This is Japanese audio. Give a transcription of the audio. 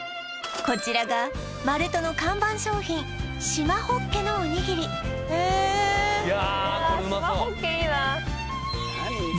こちらがマルトの看板商品しまほっけのおにぎりえっいや